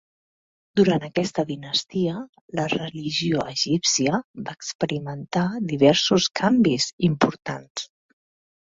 Durant aquesta dinastia, la religió egípcia va experimentar diversos canvis importants.